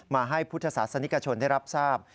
มาให้พุทธศาสนิกชนได้รับทราบ